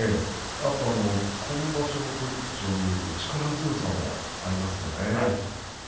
今場所の取り口を見ると力強さがありますね。